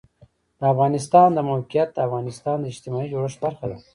د افغانستان د موقعیت د افغانستان د اجتماعي جوړښت برخه ده.